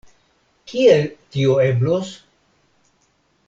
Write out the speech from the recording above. Kiel tio eblos?